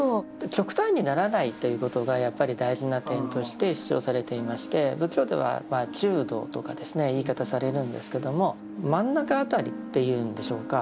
極端にならないということがやっぱり大事な点として主張されていまして仏教では「中道」とかですね言い方されるんですけども真ん中辺りっていうんでしょうか。